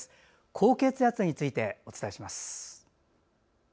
高血圧についてお伝えします。